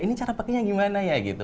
ini cara pakainya gimana ya gitu